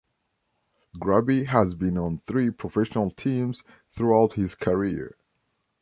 Grubby has been on three professional teams throughout his career.